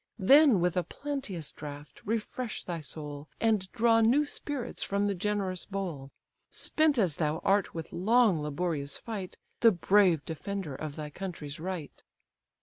Then with a plenteous draught refresh thy soul, And draw new spirits from the generous bowl; Spent as thou art with long laborious fight, The brave defender of thy country's right."